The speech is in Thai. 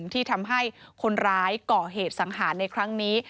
ที่ทำให้คนร้ายก่อเหตุสังหารในครั้งนี้